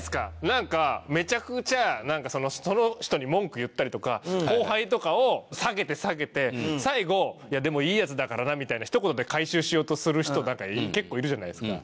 なんかめちゃくちゃその人に文句言ったりとか後輩とかを下げて下げて最後「でもいいヤツだからな」みたいなひと言で回収しようとする人なんか結構いるじゃないですか。